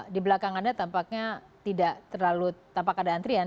di belakang anda tampaknya tidak terlalu tampak ada antrian